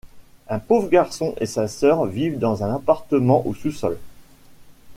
Un pauvre garçon et sa sœur vivent dans un appartement au sous-sol.